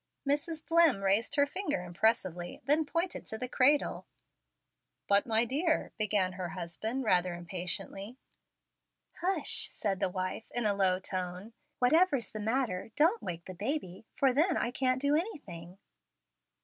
Mrs. Dlimm raised her finger impressively, then pointed to the cradle. "But, my dear " began her husband, rather impatiently. "Hush," said the wife, in a low tone; "whatever's the matter don't wake the baby, for then I can't do anything."